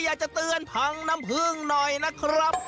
อยากจะเตือนพังน้ำผึ้งหน่อยนะครับ